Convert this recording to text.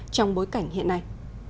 trong bối cảnh hiện nay